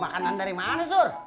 makanan dari mana sur